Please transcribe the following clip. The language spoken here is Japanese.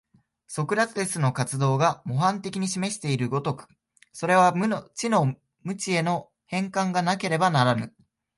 ソクラテスの活動が模範的に示している如く、そこには知の無知への転換がなければならぬ。